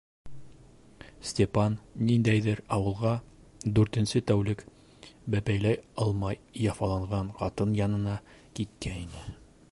Степан ниндәйҙер ауылға, дүртенсе тәүлек бәпәйләй алмай яфаланған ҡатын янына киткәйне.